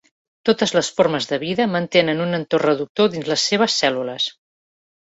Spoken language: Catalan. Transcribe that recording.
Totes les formes de vida mantenen un entorn reductor dins les seves cèl·lules.